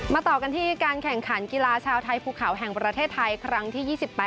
ต่อกันที่การแข่งขันกีฬาชาวไทยภูเขาแห่งประเทศไทยครั้งที่๒๘